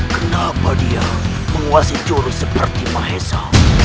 kenapa dia menguasai jurus seperti mahesa